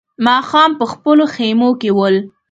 ماښام په خپلو خيمو کې ول.